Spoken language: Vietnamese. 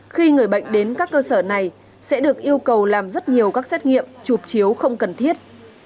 khi người bệnh đến các cơ sở này sẽ được yêu cầu làm rất nhiều các xét nghiệm chụp chiếu không cần thiết